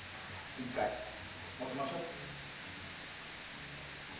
１回、持ちましょ。